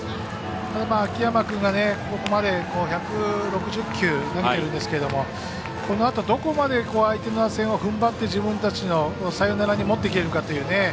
秋山君がここまで１６０球投げているんですけどこのあと、どこまで相手の打線を踏ん張って自分たちのサヨナラに持っていけるかという。